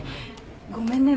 ごめんね。